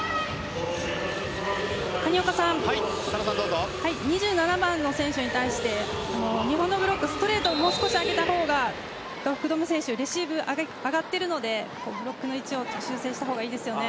谷岡さん２７番の選手に対して日本のブロックストレートをもう少し空けた方が福留選手レシーブ、上がっているのでブロックの位置を修正したほうがいいですよね。